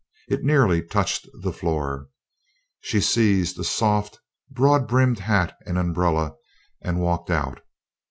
It nearly touched the floor. She seized a soft broad brimmed hat and umbrella and walked out.